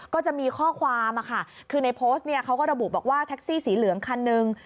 ก็จะมีข้อความค่ะคือในโพสต์เนี่ยเขาก็ระบุบอกว่าแท็กซี่สีเหลืองคันหนึ่ง